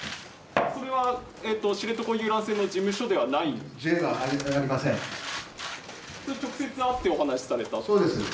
それは知床遊覧船の事務所ではないんですか。